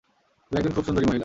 তুমি একজন খুব সুন্দরী মহিলা।